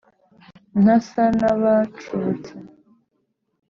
Ntasa n'abacubutse